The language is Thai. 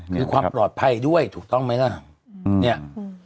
คือความปลอดภัยด้วยถูกต้องไหมล่ะเนี่ย